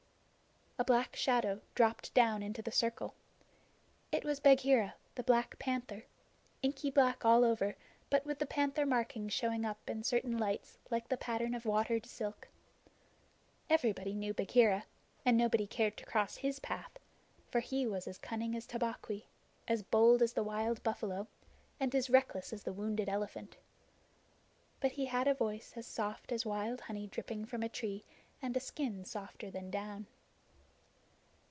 A black shadow dropped down into the circle. It was Bagheera the Black Panther, inky black all over, but with the panther markings showing up in certain lights like the pattern of watered silk. Everybody knew Bagheera, and nobody cared to cross his path; for he was as cunning as Tabaqui, as bold as the wild buffalo, and as reckless as the wounded elephant. But he had a voice as soft as wild honey dripping from a tree, and a skin softer than down.